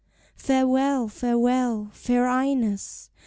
Farewell, farewell, fair Ines!